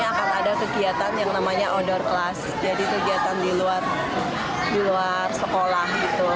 akan ada kegiatan yang namanya outdoor class jadi kegiatan di luar sekolah